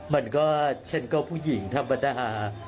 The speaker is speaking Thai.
มันก็เช่นก็ผู้หญิงธรรมดา